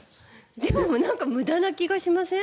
でも無駄な気がしません？